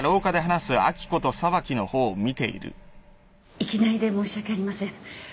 いきなりで申し訳ありません。